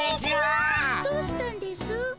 どうしたんですぅ？